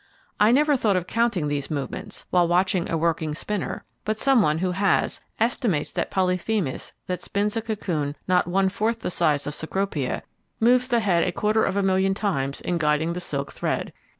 I never thought of counting these movements while watching a working spinner, but some one who has, estimates that Polyphemus, that spins a cocoon not one fourth the size of Cecropia, moves the head a quarter of a million times in guiding the silk thread.